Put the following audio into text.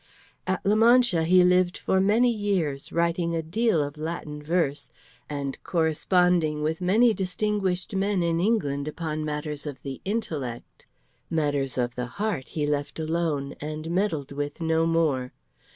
At La Mancha he lived for many years, writing a deal of Latin verse, and corresponding with many distinguished men in England upon matters of the intellect. Matters of the heart he left alone, and meddled with no more.